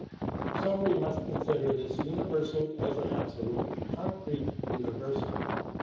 So we must consider this universal as an absolutely concrete universal.